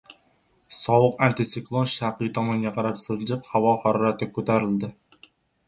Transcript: Sovuq antisiklon sharqiy tomonga qarab siljib, havo harorati ko‘tariladi